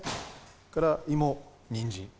それから芋、にんじん。